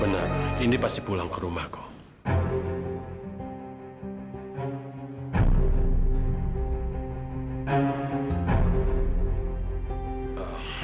benar indi pasti pulang ke rumah pak